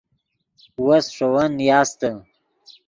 وس ݰے ون نیاستے